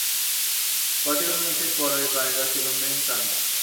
Platyhelminthes পর্বের প্রাণীরা সিলোমবিহীন প্রাণী।